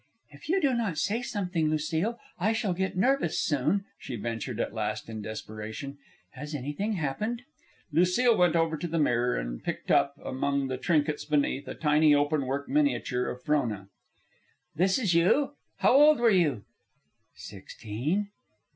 "If you do not say something, Lucile, I shall get nervous, soon," she ventured at last in desperation. "Has anything happened?" Lucile went over to the mirror and picked up, from among the trinkets beneath, a tiny open work miniature of Frona. "This is you? How old were you?" "Sixteen."